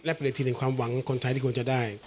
และเป็นที่ถึงความหวังของคนไทยที่ควรจะได้